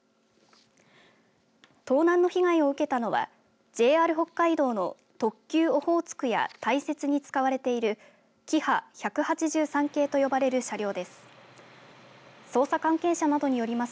盗難の被害を受けたのはＪＲ北海道の特急オホーツクや大雪に使われているキハ１８３系と呼ばれる車両です。